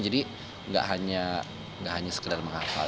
jadi gak hanya sekedar menghafal